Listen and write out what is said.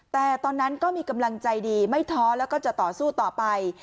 แต่ตอนนั้นก็มีกำลังใจดีไม่ท้อแล้วก็จะต่อสู้ต่อไป